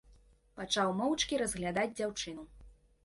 Пачаў моўчкі разглядаць дзяўчыну.